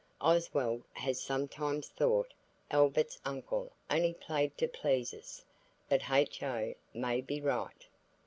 Oswald has sometimes thought Albert's uncle only played to please us. But H.O. may be right.